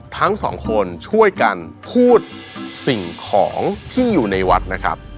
ทั้งสองคนช่วยกันพูดสิ่งของที่อยู่ในวัดนะครับ